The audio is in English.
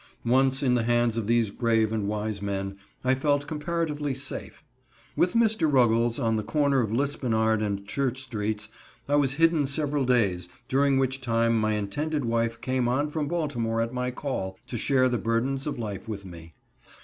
Once in the hands of these brave and wise men, I felt comparatively safe. With Mr. Ruggles, on the corner of Lispenard and Church streets, I was hidden several days, during which time my intended wife came on from Baltimore at my call, to share the burdens of life with me.